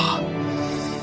kau sangat terkesan